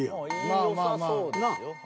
まあまあまあ。